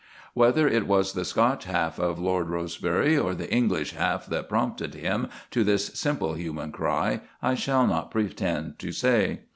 Whether it was the Scotch half of Lord Rosebery or the English half that prompted him to this simple human cry, I shall not pretend to say.